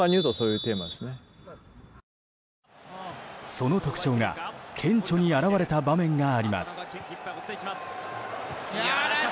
その特徴が顕著に表れた場面があります。